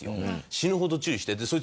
死ぬほど注意したの？